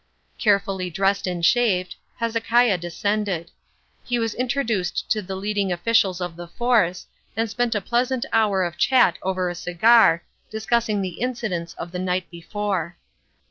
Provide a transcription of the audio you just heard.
Carefully dressed and shaved, Hezekiah descended. He was introduced to the leading officials of the force, and spent a pleasant hour of chat over a cigar, discussing the incidents of the night before.